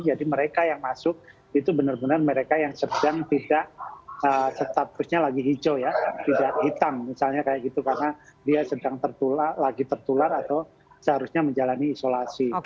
jadi mereka yang masuk itu benar benar mereka yang sedang tidak statusnya lagi hijau ya tidak hitam misalnya kayak gitu karena dia sedang lagi tertular atau seharusnya menjalani isolasi